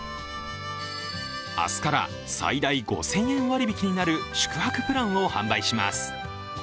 明日から最大５０００円割引になる宿泊プランを販売します。